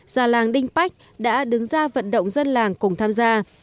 già làng đinh pách đã đứng ra vận động dân làng cùng tham gia